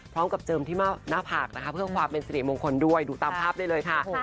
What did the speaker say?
พร้อมกับเจินที่มาร่างหน้าผากเพื่อจะมันเป็นศรีมงคลด้วยดูตามภาพได้เลยค่ะ